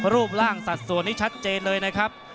รูปร่างสัดส่วนนี้ชัดเจนเลยนะครับ